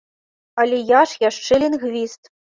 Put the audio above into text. Але я ж яшчэ лінгвіст.